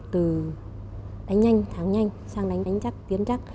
từ đánh nhanh thắng nhanh sang đánh đánh chắc tiến chắc